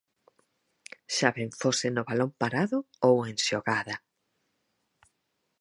Xa ben fose no balón parado ou en xogada.